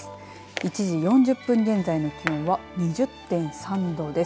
１時４０分現在の気温は２０．３度です。